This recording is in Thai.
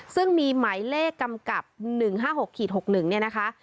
ซึ่งมีหมายเลขกำกับ๑๕๖๖๑เนี่ยนะคะ